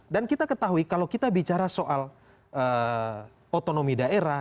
dan kita ketahui kalau kita bicara soal otonomi daerah